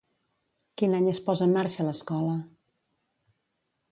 Quin any es posa en marxa l'escola?